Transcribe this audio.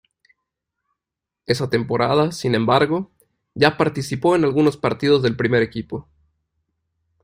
Esa temporada, sin embargo, ya participó en algunos partidos del primer equipo.